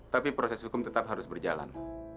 tapi proses hukum tetap harus berjalan